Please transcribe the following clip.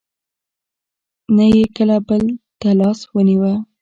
نه یې کله بل ته لاس ونېوه.